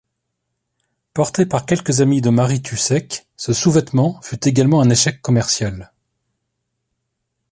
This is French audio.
Porté par quelques amies de Marie Tucek, ce sous-vêtement fut également un échec commercial.